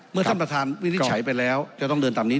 เมื่อท่านประธานวินิจฉัยไปแล้วจะต้องเดินตามนี้